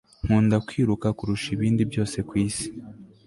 nkunda kwiruka kurusha ibindi byose kwisi